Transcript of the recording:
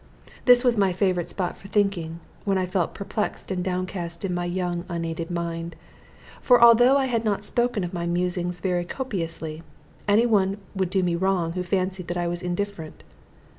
This was my favorite spot for thinking, when I felt perplexed and downcast in my young unaided mind. For although I have not spoken of my musings very copiously, any one would do me wrong who fancied that I was indifferent.